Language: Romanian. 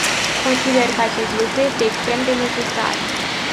Consider că acest lucru este extrem de necesar.